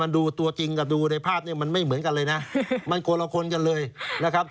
ดูตัวจริงกับดูในภาพเนี่ยมันไม่เหมือนกันเลยนะมันคนละคนกันเลยนะครับ